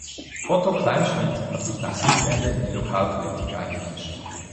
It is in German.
Otto Kleinschmidt hat sich nach Kriegsende in die Lokalpolitik eingemischt.